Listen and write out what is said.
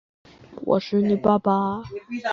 类花岗园蛛为园蛛科园蛛属的动物。